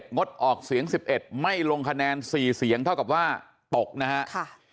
งดออกเสียง๑๑ไม่ลงคะแนน๔เสียงเท่ากับว่าตกนะครับ